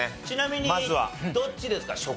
ちなみにどっちですか？